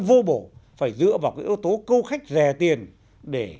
vô bổ phải dựa vào cái yếu tố câu khách rẻ tiền để